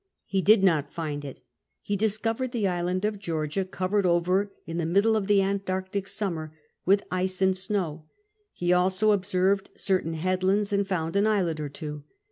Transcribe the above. He did not find it; he discovered the island of Georgia covered over, in the middle of the Antarctic summer, with ice and snow; ho also observed certain headlands, and found an islet or two.